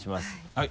はい。